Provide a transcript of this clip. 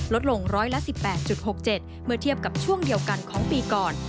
ลดลงร้อยละ๑๘๖๗เมื่อเทียบกับช่วงเดียวกันของปีก่อน